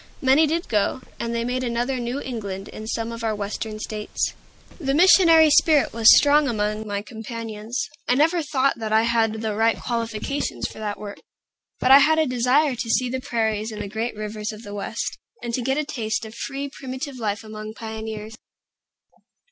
Many did go, and they made another New England in some of our Western States. The missionary spirit was strong among my companions. I never thought that I had the right qualifications for that work; but I had a desire to see the prairies and the great rivers of the West, and to get a taste of free, primitive life among pioneers.